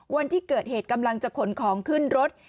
วันที่เกิดเหตุกำลังจะขนของขึ้นรถ